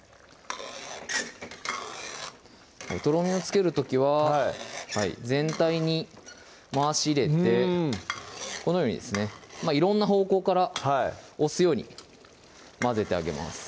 とろみをつける時は全体に回し入れてこのようにですね色んな方向から押すように混ぜてあげます